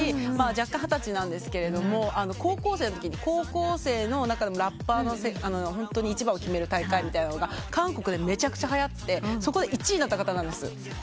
弱冠二十歳なんですけど高校生のときに高校生の中でもラッパーの一番を決める大会みたいなのが韓国でめちゃくちゃはやってそこで１位になった方なんです。